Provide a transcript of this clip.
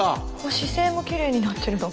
姿勢もきれいになってるな。